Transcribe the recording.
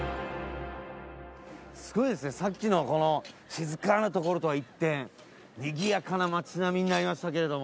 すごいですねさっきの静かな所とは一転にぎやかな街並みになりましたけれども。